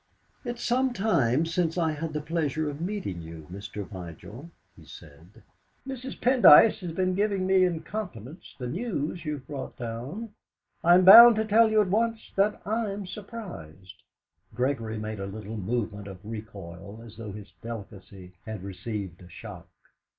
"It's some time since I had the pleasure of meeting you, Mr. Vigil," he said. "Mrs. Pendyce has been giving me in confidence the news you've brought down. I'm bound to tell you at once that I'm surprised." Gregory made a little movement of recoil, as though his delicacy had received a shock.